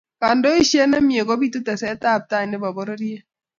kandoishet nemye kupitu teset ab tai ne bo pororiet.